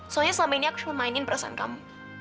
soalnya selama ini aku cuma mainin perasaan kamu